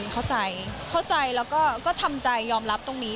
เข้าใจเข้าใจแล้วก็ทำใจยอมรับตรงนี้